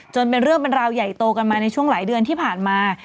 เป็นเรื่องเป็นราวใหญ่โตกันมาในช่วงหลายเดือนที่ผ่านมา